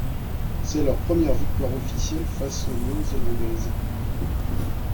C'est leur première victoire officielle face aux Néo-Zélandaises.